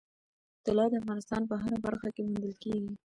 طلا د افغانستان په هره برخه کې موندل کېږي.